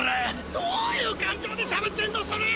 どいう感情でしゃべってんのソレ！？